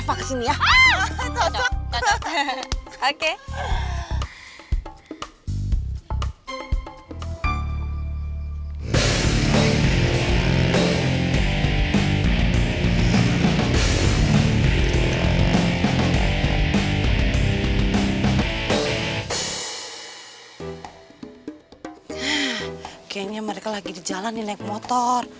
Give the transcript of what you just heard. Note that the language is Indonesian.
kayaknya mereka lagi di jalan nih naik motor